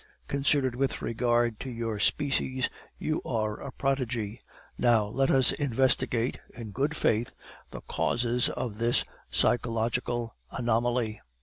Considered with regard to your species, you are a prodigy. Now let us investigate, in good faith, the causes of this psychological anomaly.